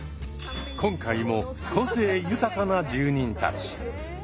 今回も個性豊かな住人たち。